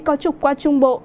có trục qua trung bộ